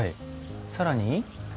更に？